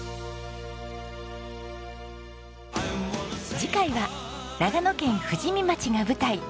次回は長野県富士見町が舞台。